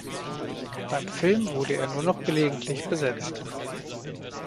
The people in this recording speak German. Beim Film wurde er nur noch gelegentlich besetzt.